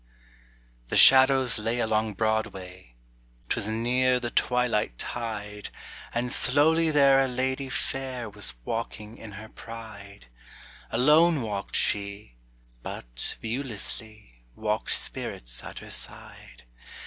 The shadows lay along Broadway, 'T was near the twilight tide, And slowly there a lady fair Was walking in her pride. Alone walked she; but, viewlessly, Walked spirits at her side.